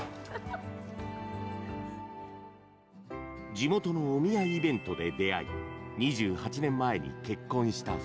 地元のお見合いイベントで出会い、２８年前に結婚した２人。